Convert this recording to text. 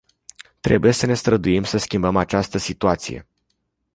Trebuie să ne străduim să schimbăm această situație.